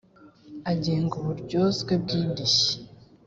agenga uburyozwe bw indishyi